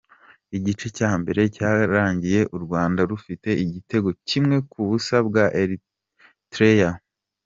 Igice cya mbere cyarangiye u rwanda rufite ikitego kimwe ku busa bwa Eritrea.